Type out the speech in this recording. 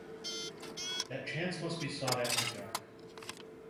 That chance must be sought after dark.